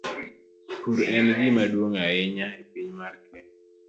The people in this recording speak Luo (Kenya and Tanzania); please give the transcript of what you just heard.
Pur en gima duong ahinya e piny mar Kenya.